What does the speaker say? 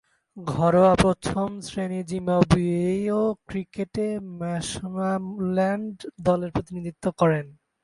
ঘরোয়া প্রথম-শ্রেণীর জিম্বাবুয়ীয় ক্রিকেটে ম্যাশোনাল্যান্ড দলের প্রতিনিধিত্ব করেন।